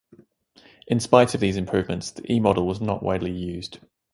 In spite of these improvements, the E model was not widely used.